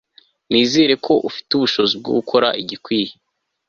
nizeye ko ufite ubushobozi bwo gukora igikwiye